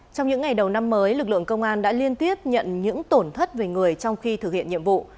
trong những ngày đầu năm mới lực lượng công an đã liên tiếp nhận những tổn thất về người trong khi thực hiện nhiệm vụ